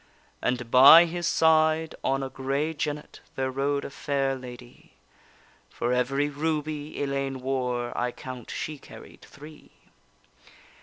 And by his side, on a grey jennet, There rode a fair lady, For every ruby Ellayne wore, I count she carried three.